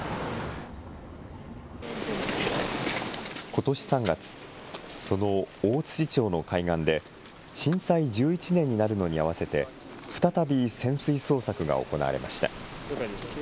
ことし３月、その大槌町の海岸で、震災１１年になるのに合わせて、再び潜水捜索が行われました。